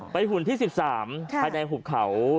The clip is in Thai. หุ่นที่๑๓ภายในหุบเขา